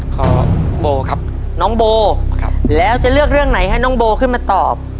โบครับน้องโบแล้วจะเลือกเรื่องไหนให้น้องโบขึ้นมาตอบ